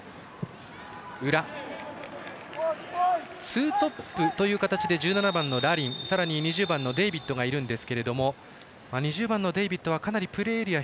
ツートップという形で１７番のラリンさらに２０番のデイビッドがいるんですけど２０番のデイビッドはかなりプレーエリア